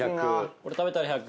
これ食べたら１００。